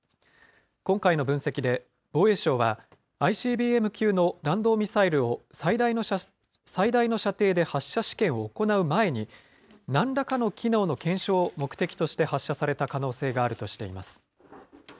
今回の分析で防衛省は、ＩＣＢＭ級の弾道ミサイルを、最大の射程で発射試験を行う前に、なんらかの機能の検証を目的として発射された可能性があるとしています。